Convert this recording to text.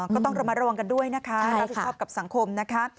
ก็ต้องระมัดระวังกันด้วยนะคะรับผิดชอบกับสังคมนะคะ